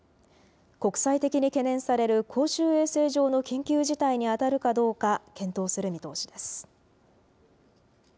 国際的に懸念される、公衆衛生上の緊急事態に当たるかどうか検討する見通しです。